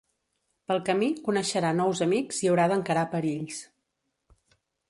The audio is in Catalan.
Pel camí coneixerà nous amics i haurà d’encarar perills.